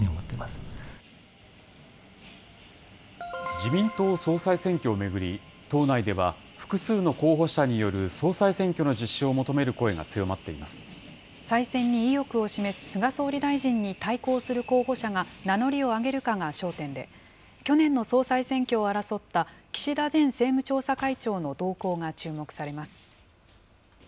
自民党総裁選挙を巡り、党内では複数の候補者による総裁選挙の実施を求める声が強まって再選に意欲を示す菅総理大臣に対抗する候補者が名乗りを上げるかが焦点で、去年の総裁選挙を争った岸田前政務調査会長の動向が注目されます。